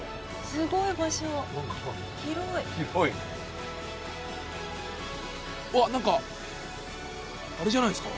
すごい場所広いうわっ何かあれじゃないですか？